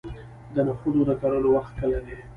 د نخودو د کرلو وخت کله دی؟